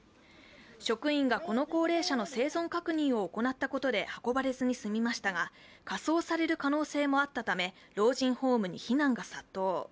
職員がこの高齢者の生存確認を行ったことで運ばれずに済みましたが火葬される可能性もあったため老人ホームに非難が殺到。